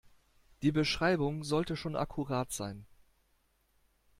Die Beschreibung sollte schon akkurat sein.